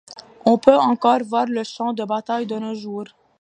On peut encore voir le champ de bataille de nos jours.